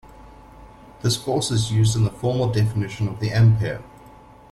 This force is used in the formal definition of the ampere.